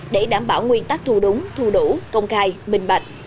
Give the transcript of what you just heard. để đảm bảo nguyên tắc thu đúng thu đủ công khai minh bạch